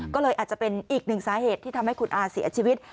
ก็เลยอาจจะเป็นอีกหนึ่งสาเหตุที่ทำให้คุณอาเสียชีวิต